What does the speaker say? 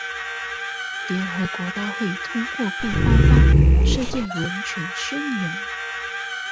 联合国大会通过并颁布《世界人权宣言》。